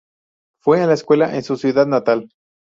Fue a la escuela en su ciudad natal.